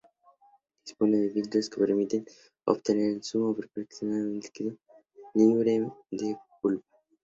Dispone de filtros que permiten obtener un zumo perfectamente líquido, libre de pulpa.